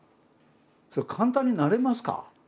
それ簡単になれますか？